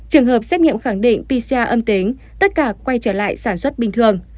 trường hợp xét nghiệm khẳng định pcr âm tính tất cả quay trở lại sản xuất bình thường